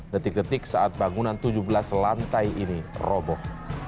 detik detik saat bangunan tujuh belas lantai ini roboh